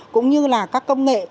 cũng như là các công nghệ